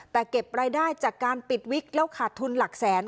แต่เก็บรายได้จากการปิดวิกแล้วขาดทุนหลักแสน